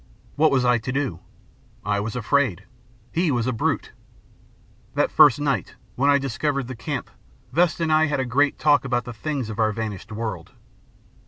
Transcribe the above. What was I to do? I was afraid. He was a brute. That first night, when I discovered the camp, Vesta and I had great talk about the things of our vanished world.